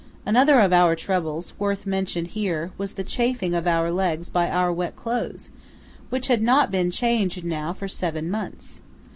Another of our troubles, worth mention here, was the chafing of our legs by our wet clothes, which had not been changed now for seven months.